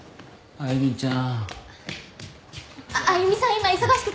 歩ちゃん。